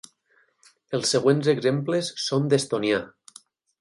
Els següents exemples són d'estonià.